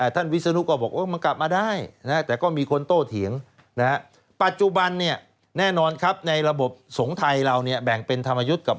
ฮ่าฮ่าฮ่าฮ่าฮ่าฮ่าฮ่าฮ่า